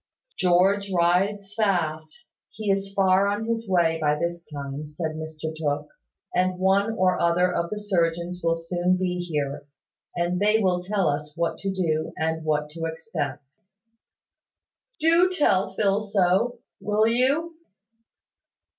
"George rides fast; he is far on his way by this time," said Mr Tooke. "And one or other of the surgeons will soon be here; and they will tell us what to do, and what to expect." "Do tell Phil so, will you?"